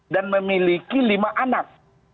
dan memiliki lima anak